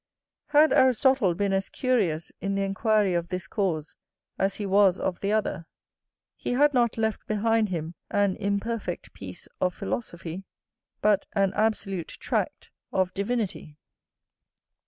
Had Aristotle been as curious in the enquiry of this cause as he was of the other, he had not left behind him an imperfect piece of philosophy, but an absolute tract of divinity.